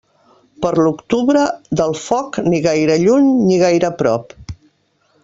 Per l'octubre, del foc, ni gaire lluny ni gaire a prop.